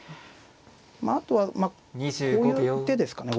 まああとはこういう手ですかね